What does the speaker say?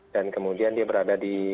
dan kemudian dia berada